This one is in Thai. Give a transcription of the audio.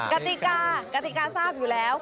กติกากติกาทราบอยู่แล้ว